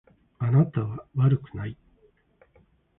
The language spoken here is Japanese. あなたは悪くない。